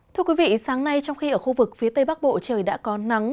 thưa quý vị sáng nay trong khi ở khu vực phía tây bắc bộ trời đã có nắng